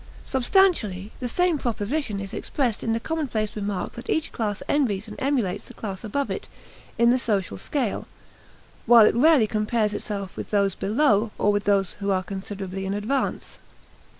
Substantially the same proposition is expressed in the commonplace remark that each class envies and emulates the class next above it in the social scale, while it rarely compares itself with those below or with those who are considerably in advance.